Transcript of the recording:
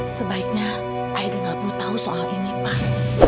sebaiknya aida nggak perlu tahu soal ini pak